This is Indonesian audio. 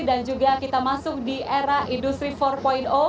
dan juga kita masuk di era industri empat